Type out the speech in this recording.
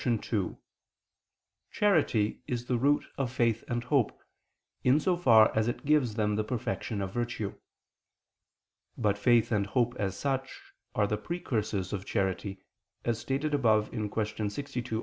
2: Charity is the root of faith and hope, in so far as it gives them the perfection of virtue. But faith and hope as such are the precursors of charity, as stated above (Q. 62, A.